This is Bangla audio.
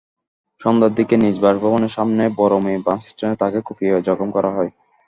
সন্ধ্যার দিকে নিজ বাসভবনের সামনে বরমী বাসস্ট্যান্ডে তাঁকে কুপিয়ে জখম করা হয়।